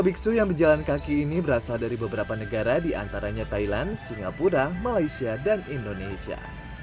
biksu yang berjalan kaki ini berasal dari beberapa negara di antaranya thailand singapura malaysia dan indonesia